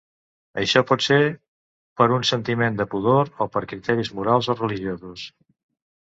Això pot ser per un sentiment de pudor, o per criteris morals o religiosos.